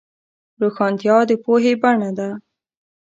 روښانتیا د پوهې بڼه ده.